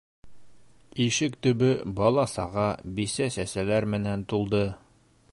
Ишек төбө бала-саға, бисә-сәсәләр менән тулды.